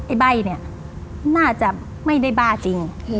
ไอ้ใบ่นี่น่าจะไม่ได้บ้าจริง